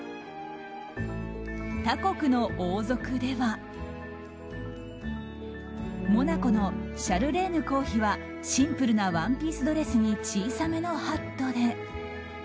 他国の王族ではモナコのシャルレーヌ公妃はシンプルなワンピースドレスに小さめのハットで。